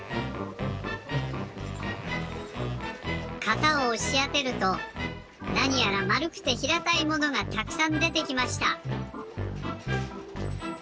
型をおしあてるとなにやらまるくてひらたいものがたくさんでてきました。